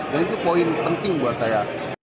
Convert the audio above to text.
dan itu poin penting buat saya